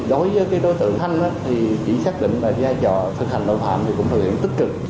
đối với đối tượng thanh thì chỉ xác định là giai trò thực hành nội phạm thì cũng thực hiện tích cực